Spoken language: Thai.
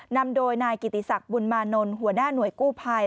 นำโดยนายกิติศักดิ์บุญมานนท์หัวหน้าหน่วยกู้ภัย